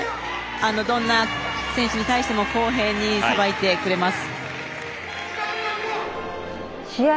どんな選手に対しても公平に裁いてくれます。